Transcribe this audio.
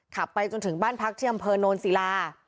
ขับไปจนถึงบ้านพักที่กำพือโน้นศิลา